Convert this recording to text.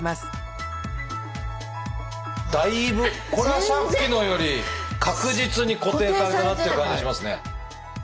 だいぶこれはさっきのより確実に固定されたなっていう感じがしますね。